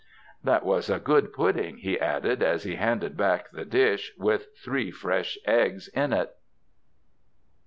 "That was a good pudding," he added, as he handed back the dish, with three fresh eggs in it.